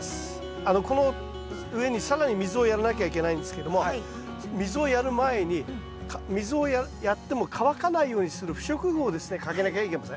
この上に更に水をやらなきゃいけないんですけども水をやる前に水をやっても乾かないようにする不織布をですねかけなきゃいけません。